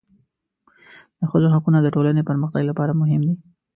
د ښځو حقونه د ټولنې پرمختګ لپاره مهم دي.